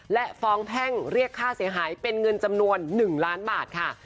และฟ้องแพ่งเรียกค่าเสียหายเป็นเงินจำนวน๑ล้านบาทค่ะ